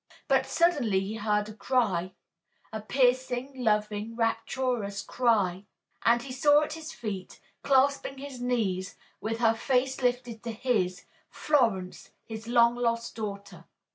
But suddenly he heard a cry a piercing, loving, rapturous cry and he saw at his feet, clasping his knees, with her face lifted to his, Florence, his long lost daughter.